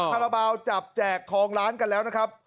คาราบาลจับแจกทองล้านกันแล้วนะครับ